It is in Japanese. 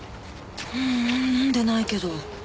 ううん飲んでないけど。